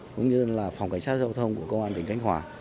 cũng như là phòng cảnh sát giao thông của công an tỉnh khánh hòa